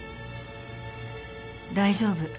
大丈夫